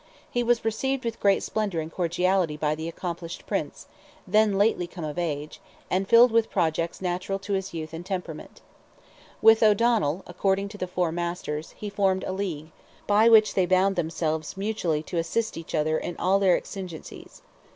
He was received with great splendour and cordiality by the accomplished Prince, then lately come of age, and filled with projects natural to his youth and temperament. With O'Donnell, according to the Four Masters, he formed a league, by which they bound themselves "mutually to assist each other in all their exigencies."